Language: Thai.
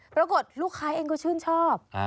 ปรากฏลูกค้าเองก็ชื่นชอบ